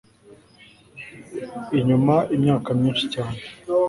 inyuma imyaka myinshi cyane